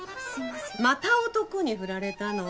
また男に振られたの？